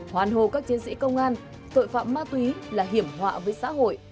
hoàn hồ các chiến sĩ công an tội phạm ma túy là hiểm họa với xã hội